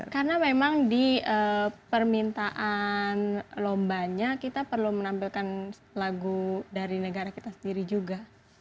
karena memang di permintaan lombanya kita perlu menampilkan lagu dari negara kita sendiri juga